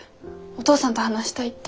お父さんと話したいって。